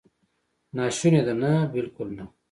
ناشونې ده؟ نه، بالکل نه!